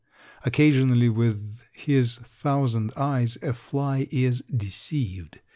Occasionally with his thousand eyes a fly is deceived.